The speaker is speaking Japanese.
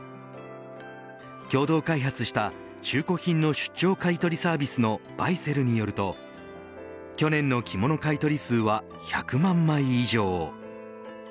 共同開発した中古品の出張買い取りサービスのバイセルによると去年の着物買い取り数は１００万枚以上。